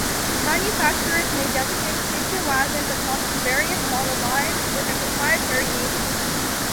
Manufacturers may designate station wagons across various model lines with a proprietary nameplate.